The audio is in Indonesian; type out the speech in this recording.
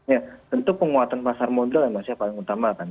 ya tentu penguatan pasar modal yang masih paling utama kan